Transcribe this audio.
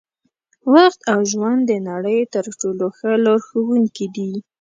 وخت او ژوند د نړۍ تر ټولو ښه لارښوونکي دي.